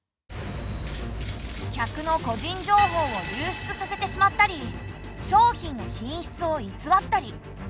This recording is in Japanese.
客の個人情報を流出させてしまったり商品の品質を偽ったり。